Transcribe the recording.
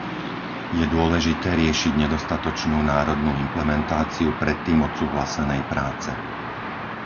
Je dôležité riešiť nedostatočnú národnú implementáciu predtým odsúhlasenej práce.